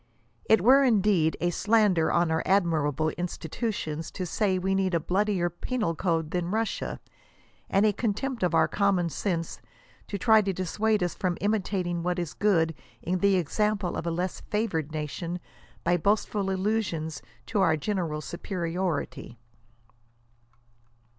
It were indeed '*a slander on our admirable institutions," to say we need a bloodier penal code than Russia ; and a contempt of our common sense," to try to dissuade us from imitating what is good in the example of a less favored nation, by boastful allusions to our general superiority.